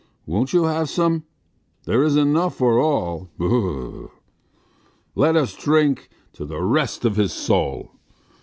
... Won't you have some? There is enough for all. ... B r r r. ... Let us drink to the rest of his soul!